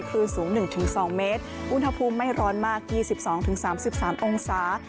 คือสูงหนึ่งถึงสองเมตรอุณหภูมิไม่ร้อนมากยี่สิบสองถึงสามสิบสามองศา